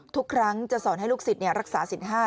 ทุกครั้งจะสอนให้ลูกสิทธิ์รักษาสิทธิ์ห้า